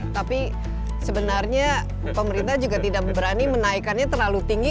tapi sebenarnya pemerintah juga tidak berani menaikannya terlalu tinggi